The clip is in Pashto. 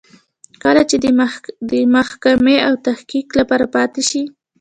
کله چې د محاکمې او تحقیق لپاره پاتې شي.